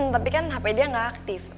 tapi kan hp dia nggak aktif